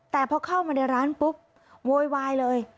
แต่พอเข้ามาในร้านปุ๊บโวยวายเลย